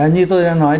như tôi đã nói